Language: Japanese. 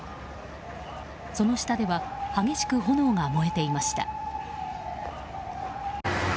その下では激しく炎が燃えていました。